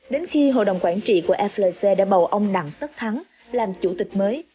đến khi hội đồng quản trị của flc đã bầu ông đặng tất thắng làm chủ tịch mới